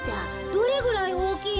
どれぐらいおおきいの？